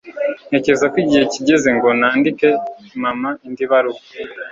ntekereza ko igihe kigeze ngo nandike mama indi baruwa